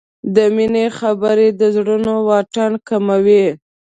د مینې خبرې د زړونو واټن کموي.